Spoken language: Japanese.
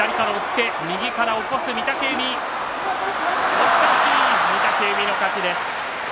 押し倒し御嶽海の勝ちです。